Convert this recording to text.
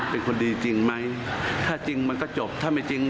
เป็นคนดีจริงไหมถ้าจริงมันก็จบถ้าไม่จริง